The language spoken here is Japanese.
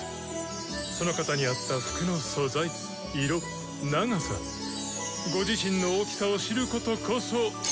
その方に合った服の素材色長さご自身の大きさを知ることこそ。